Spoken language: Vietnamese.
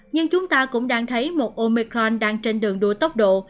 nhưng chúng ta cũng đang thấy một omicron đang trên đường đua tốc độ